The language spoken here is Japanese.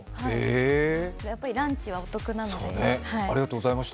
やっぱりランチはお得なんで。